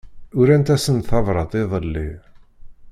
Urant-asen tabrat iḍelli.